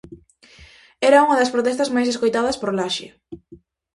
Era unha das protestas máis escoitadas por Laxe.